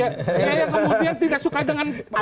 ya ya kemudian tidak suka dengan reformasi